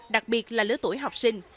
đặc biệt là lứa tuổi học sinh